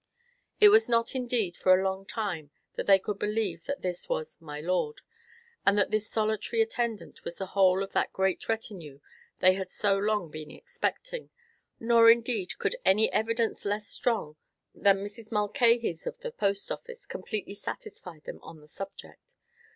It was not, indeed, for a long time that they could believe that this was "my lord," and that this solitary attendant was the whole of that great retinue they had so long been expecting; nor, indeed, could any evidence less strong than Mrs. Mulcahy's, of the Post office, completely satisfy them on the subject.